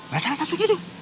masalah satu gitu